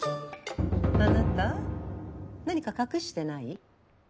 あなた何か隠してない？